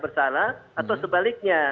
bersalah atau sebaliknya